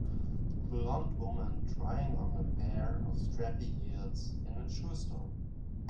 Blond woman trying on a pair of strappy heels in a shoe store.